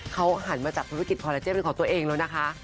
เขาหันมาจากธุรกิจเป็นของตัวเองแล้วนะคะ